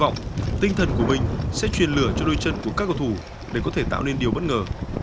kinh thần của mình sẽ truyền lửa cho đôi chân của các cầu thủ để có thể tạo nên điều bất ngờ